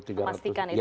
memastikan itu ya